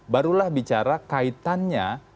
barulah bicara kaitannya